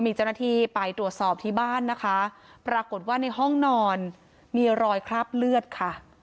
มีเจ้าหน้าที่ไปตรวจสอบที่บ้านนะคะปรากฏว่าในห้องนอนมีรอยคราบเลือดค่ะ